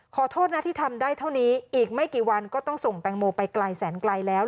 ขอโทษนะที่ทำได้เท่านี้อีกไม่กี่วันก็ต้องส่งแตงโมไปไกลแสนไกลแล้ว